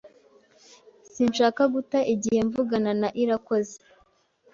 Sinshaka guta igihe mvugana na Irakoze.